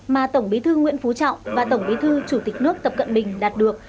mà tổng bí thư nguyễn phú trọng và tổng bí thư chủ tịch nước tập cận bình đạt được